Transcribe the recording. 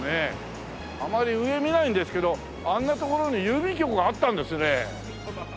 あまり上見ないんですけどあんな所に郵便局があったんですね。